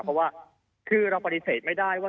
เพราะว่าคือเราปฏิเสธไม่ได้ว่า